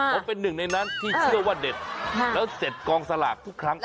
ผมเป็นหนึ่งในนั้นที่เชื่อว่าเด็ดแล้วเสร็จกองสลากทุกครั้ง